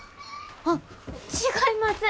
あっ違います！